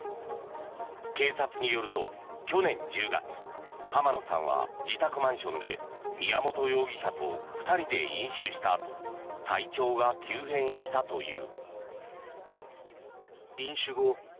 警察によると去年１０月浜野さんは自宅マンションで宮本容疑者と２人で飲酒したあと体調が急変したという。